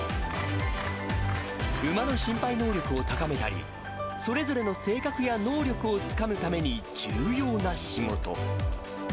馬の心肺能力を高めたり、それぞれの性格や能力をつかむために重要な仕事。